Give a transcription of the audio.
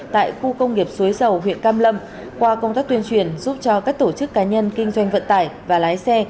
tại khu công nghiệp suối sầu huyện cam lâm qua công tác tuyên truyền giúp cho các tổ chức cá nhân kinh doanh vận tải và lái xe